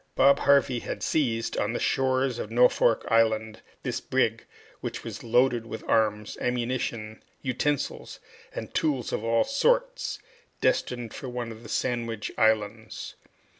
Bob Harvey had seized, on the shores of Norfolk Island this brig, which was loaded with arms, ammunition, utensils, and tools of all sorts, destined for one of the Sandwich Islands.